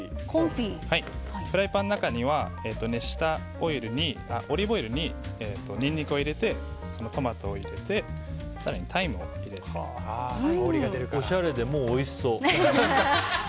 フライパンの中には熱したオリーブオイルにニンニクを入れてトマトを入れておしゃれで、もうおいしそう。